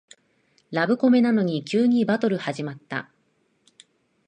ラブコメなのに急にバトル始まった